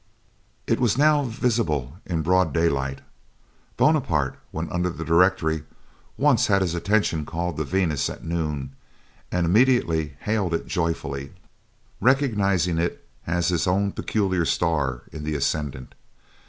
It was now visible in broad daylight. Buonaparte, when under the Directory, once had his attention called to Venus at noon, and immediately hailed it joyfully, recognizing it as his own peculiar star in the ascendant.